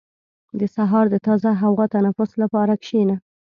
• د سهار د تازه هوا تنفس لپاره کښېنه.